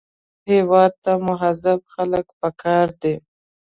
هېواد ته مهذب خلک پکار دي